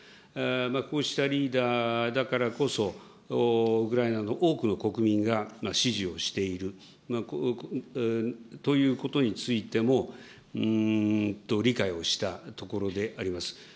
こうしたリーダーだからこそ、ウクライナの多くの国民が支持をしているということについても、理解をしたところであります。